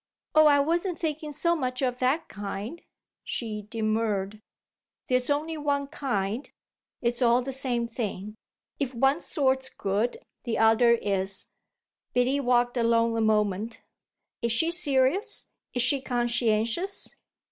"Oh I wasn't thinking so much of that kind," she demurred. "There's only one kind it's all the same thing. If one sort's good the other is." Biddy walked along a moment. "Is she serious? Is she conscientious?"